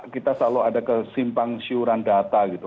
kita selalu ada kesimpang siuran data gitu